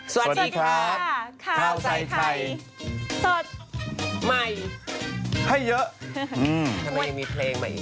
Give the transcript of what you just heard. สวัสดีครับข้าวใส่ไข่สดใหม่ให้เยอะทำไมยังมีเพลงใหม่อีก